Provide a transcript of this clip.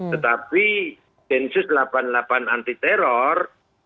tetapi densus delapan puluh delapan anti teror